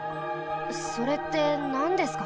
それってなんですか？